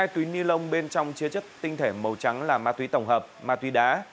hai túi ni lông bên trong chứa chất tinh thể màu trắng là ma túy tổng hợp ma túy đá